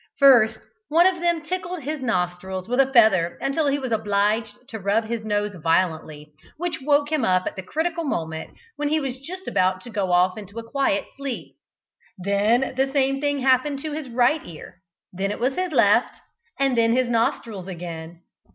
First one of them tickled his nostrils with a feather until he was obliged to rub his nose violently, which woke him up at the critical moment when he was just about to go off into a quiet sleep. Then the same thing happened to his right ear; then it was his left, and then his nostrils again.